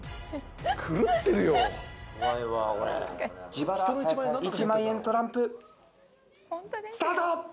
自腹１万円トランプスタート！